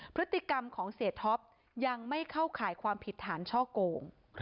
พฤติกรรมของเสียท็อปยังไม่เข้าข่ายความผิดฐานช่อโกง